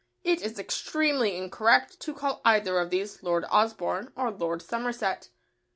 It is extremely incorrect to call either of these "Lord Osborne" or "Lord Somerset."